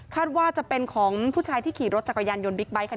ว่าจะเป็นของผู้ชายที่ขี่รถจักรยานยนต์บิ๊กไบท์ค่ะ